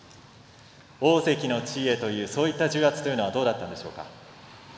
大関の地位へというそういう重圧というのはどうだったでしょうか。